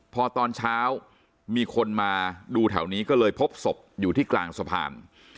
พอตอนเช้ามีคนมาดูแถวนี้ก็เลยพบศพอยู่ที่กลางสะพาน